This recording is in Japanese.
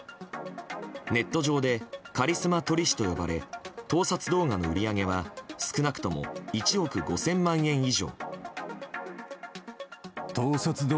ネット上でカリスマ撮り師と呼ばれ盗撮動画の売り上げは少なくとも１億５０００万円以上。